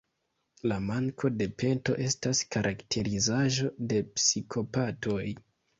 La manko de pento estas karakterizaĵo de psikopatoj.